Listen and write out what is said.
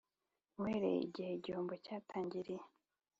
uhereye igihe igihombo cyatangiriye